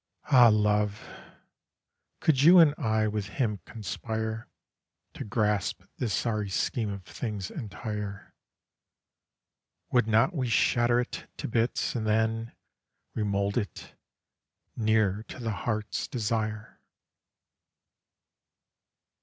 Ah Love, could you and I with Him conspire To grasp this sorry Scheme of things entire, Would not we shatter it to bits and then Re mould it nearer to the Heart's Desire!"